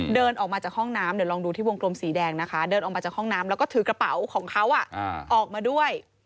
เดินออกมาจากห้องน้ำเดี๋ยวลองดูที่วงกลมสีแดงนะคะเดินออกมาจากห้องน้ำแล้วก็ถือกระเป๋าของเขาออกมาด้วย